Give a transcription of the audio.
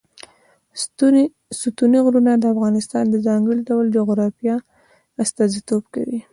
ستوني غرونه د افغانستان د ځانګړي ډول جغرافیه استازیتوب کوي.